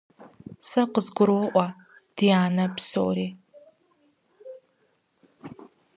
Сэ къызгуроӀуэр, дянэ, псори.